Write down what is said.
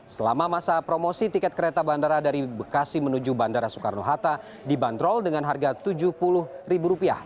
selama masa promosi tiket kereta bandara dari bekasi menuju bandara soekarno hatta dibanderol dengan harga rp tujuh puluh